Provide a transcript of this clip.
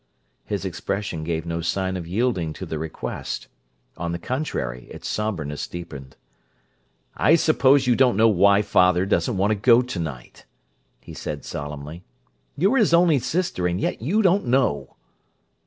His expression gave no sign of yielding to the request; on the contrary, its somberness deepened. "I suppose you don't know why father doesn't want to go tonight," he said solemnly. "You're his only sister, and yet you don't know!"